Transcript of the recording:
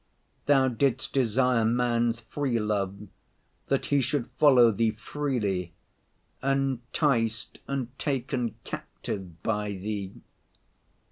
Thou didst desire man's free love, that he should follow Thee freely, enticed and taken captive by Thee.